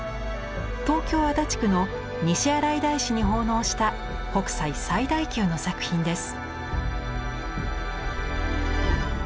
東京・足立区の西新井大師に奉納した北斎最大級の作品です。